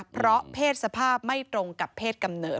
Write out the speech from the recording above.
เพราะเพศสภาพไม่ตรงกับเพศกำเนิด